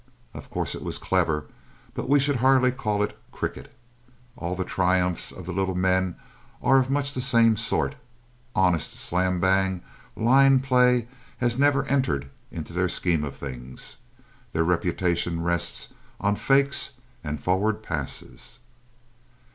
Of course it was clever, but we should hardly call it cricket. All the triumphs of the little men are of much the same sort. Honest, slam bang, line play has never entered into their scheme of things. Their reputation rests on fakes and forward passes.